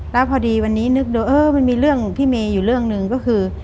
แล้วพอดีวันนี้นึกดูเออมันมีเรื่องพี่เมย์อยู่เรื่องหนึ่งก็คือ